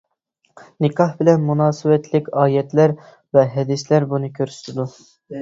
نىكاھ بىلەن مۇناسىۋەتلىك ئايەتلەر ۋە ھەدىسلەر بۇنى كۆرسىتىدۇ.